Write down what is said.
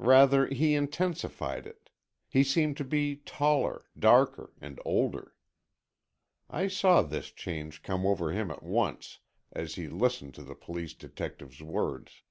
Rather, he intensified it. He seemed to be taller, darker and older. I saw this change come over him at once, as he listened to the police detective's words.